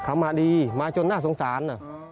ไม่มาดีมาต้นถึงสังสาร